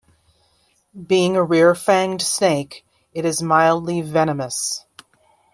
Being a rear-fanged snake, it is mildly venomous.